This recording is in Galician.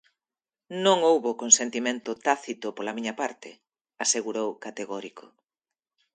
"Non houbo consentimento tácito pola miña parte", asegurou categórico.